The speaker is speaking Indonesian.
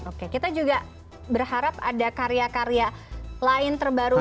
oke kita juga berharap ada karya karya lain terbarunya